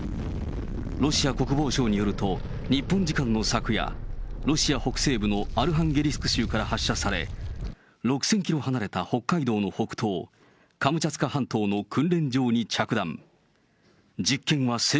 ロシア国防省によると、日本時間の昨夜、ロシア北西部のアルハンゲリスク州から発射され、６０００キロ離れた北海道の北東、カムチャツカ半島の訓練場に着弾。